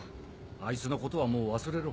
あいつのことはもう忘れろ。